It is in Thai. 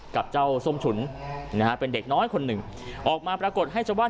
กับเจ้าส้มฉุนนะฮะเป็นเด็กน้อยคนหนึ่งออกมาปรากฏให้ชาวบ้าน